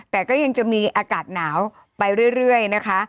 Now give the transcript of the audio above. แต่ก็ยังจะมีอากาศหนาวไปเรื่อยนะคะ